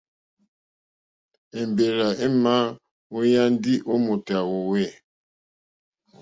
Èmbèrzà èmà ŋwěyá ndí ó mòtà hwòhwê.